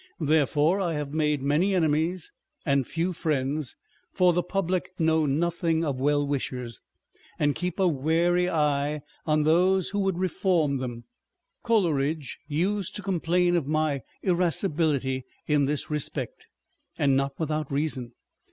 Therefore I have made many enemies and few friends ; for the public know nothing of well wishers, and keep a wary eye on those that would reform them. Coleridge used to complain of my irasci bility in this respect, and not without reason.